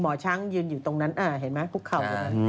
หมอช้างยืนอยู่ตรงนั้นเห็นไหมคุกเข่า